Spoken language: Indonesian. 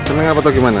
seneng apa atau gimana